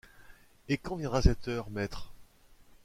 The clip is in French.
Et quand viendra cette heure, maître?